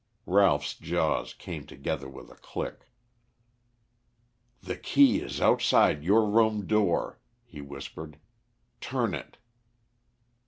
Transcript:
Ralph's jaws came together with a click. "The key is outside your room door," he whispered. "Turn it."